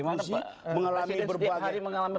presiden setiap hari mengalami persekusi gimana